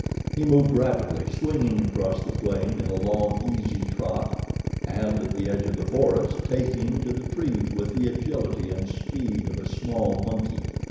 He moved rapidly, swinging across the plain in a long, easy trot, and at the edge of the forest, taking to the trees with the agility and speed of a small monkey.